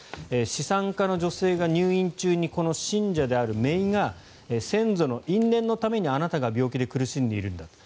資産家の女性が入院中にこの信者であるめいが先祖の因縁のためにあなたが病気で苦しんでいるんだと。